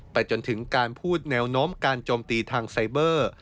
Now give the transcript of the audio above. จนถึงการพูดแนวโน้มการโจมตีทางไซเบอร์